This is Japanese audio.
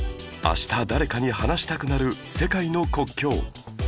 明日誰かに話したくなる世界の国境